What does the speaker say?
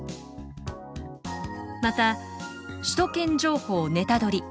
また首都圏情報ネタドリ！